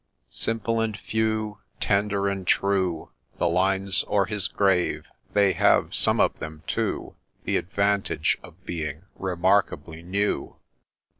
Simple and few, Tender and true The lines o'er his grave. — They have, some of them, too, The advantage of being remarkably new.